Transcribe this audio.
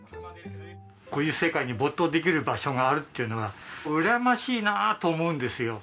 こういう世界に没頭できる場所があるっていうのがうらやましいなと思うんですよ。